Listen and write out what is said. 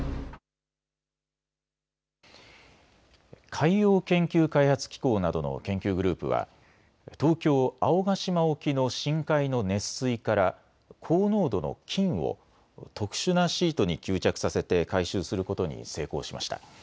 海洋研究開発機構などの研究グループは東京青ヶ島沖の深海の熱水から高濃度の金を特殊なシートに吸着させて回収することに成功しました。